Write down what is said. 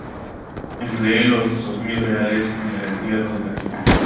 Empleé los dos mil reales en el entierro de la difunta.